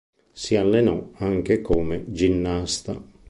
Si allenò anche come ginnasta.